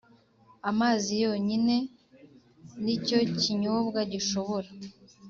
amazi yonyine nicyo kinyobwa gishobora